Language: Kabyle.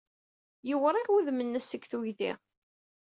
Yiwriɣ wudem-nnes seg tugdi.